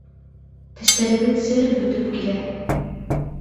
Тештәрегеҙ сереп бөтөп килә.